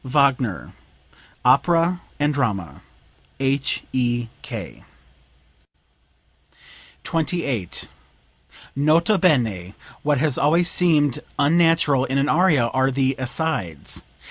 Wagner, "Opera and Drama." H.E.K.]) 28. "Nota bene, what has always seemed unnatural in an aria are the asides.